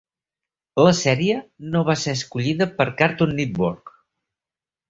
La sèrie no va ser escollida per Cartoon Network.